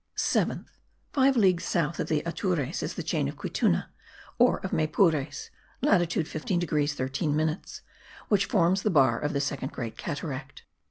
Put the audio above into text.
Seventh. Five leagues south of the Atures is the chain of Quittuna, or of Maypures (latitude 15 degrees 13 minutes), which forms the bar of the Second Great Cataract.